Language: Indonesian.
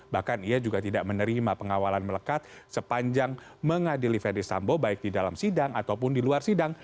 bahkan ia juga tidak menerima pengawalan melekat sepanjang mengadili ferdis sambo baik di dalam sidang ataupun di luar sidang